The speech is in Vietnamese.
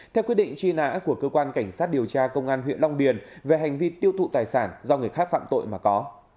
theo quyết định truy nã của cơ quan cảnh sát điều tra công an huyện long điền về hành vi tiêu thụ tài sản do người khác phạm tội mà có